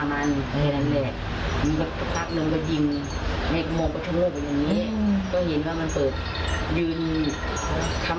มีอะไรก็ให้คุยกัน